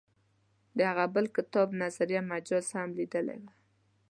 د هغه بل کتاب نظریه مجاز هم لیدلی و.